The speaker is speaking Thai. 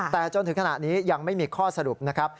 แต่จนถึงขณะนี้ยังไม่มีข้อสรุปนะครับ